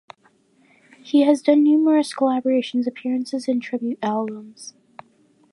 He has done numerous collaborations, appearances and tribute albums.